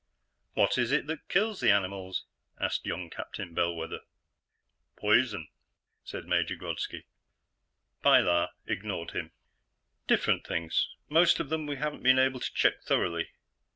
"What is it that kills the animals?" asked young Captain Bellwether. "Poison," said Major Grodski. Pilar ignored him. "Different things. Most of them we haven't been able to check thoroughly.